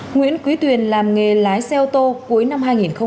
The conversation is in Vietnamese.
nguyễn quý tuyền làm nghề lái xe ô tô cuối năm hai nghìn một mươi chín